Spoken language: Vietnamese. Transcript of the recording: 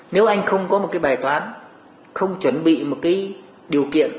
nếu anh không có một cái bài toán không chuẩn bị một cái điều kiện